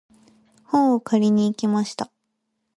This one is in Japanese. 本を借りに行きました。